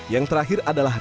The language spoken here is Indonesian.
yang terakhir adalah